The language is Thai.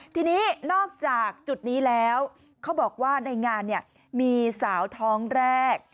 ทีนี้นอกจากจุดนี้แล้วเขาบอกว่าในงานมีสาวท้องแรก